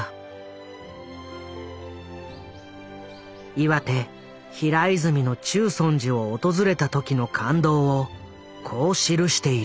岩手・平泉の中尊寺を訪れた時の感動をこう記している。